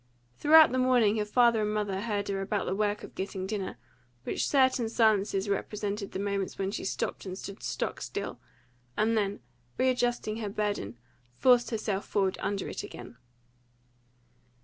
Throughout the morning her father and mother heard her about the work of getting dinner, with certain silences which represented the moments when she stopped and stood stock still, and then, readjusting her burden, forced herself forward under it again.